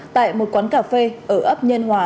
tại một quán cà phê ở ấp nhân hòa